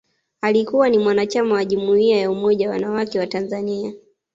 Alikuwa ni mwanachama wa Jumuiya ya Umoja Wanawake wa Tanzania